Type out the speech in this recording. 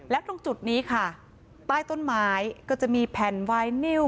แล้วตรงจุดนี้ค่ะใต้ต้นไม้ก็จะมีแผ่นวายนิ้ว